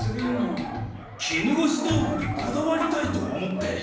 絹ごし豆腐にこだわりたいと思って。